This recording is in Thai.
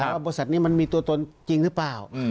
ว่าบริษัทนี้มันมีตัวตนจริงหรือเปล่า